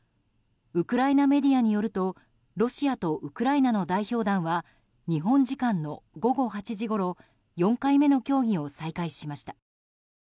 ウクライナメディアによるとロシアとウクライナの代表団は日本時間の午後８時ごろ４回目の協議を再開しました。